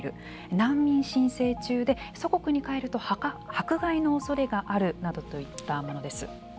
難民申請中で祖国に帰ると迫害のおそれがあるなどといったものです。